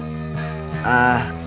jawab malah diem